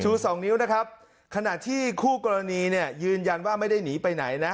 สองนิ้วนะครับขณะที่คู่กรณีเนี่ยยืนยันว่าไม่ได้หนีไปไหนนะ